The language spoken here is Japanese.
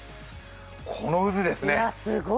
この渦ですね。